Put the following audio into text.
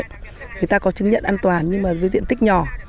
người ta có chứng nhận an toàn nhưng mà với diện tích nhỏ